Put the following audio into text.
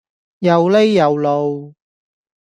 又呢又路